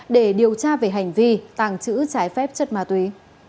để điều tra về hành vi tàng trữ trái phép chất ma túy